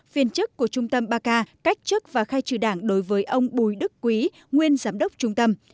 viên chức của trung tâm ba k cách chức và khai trừ đảng đối với ông bùi đức quý nguyên giám đốc trung tâm